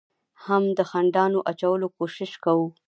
هم د خنډانو اچولو کوشش کوو،